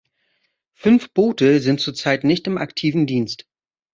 Fünf Boote sind zurzeit nicht im aktiven Dienst.